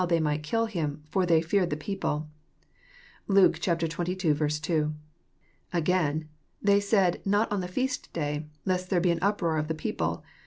they might kill Him, for they feared the people." (Lake tjlVL 2.) Again :They said, Not on the feast day, lest there be an uproar of the people."